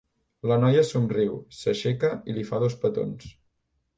La noia somriu, s'aixeca i li fa dos petons.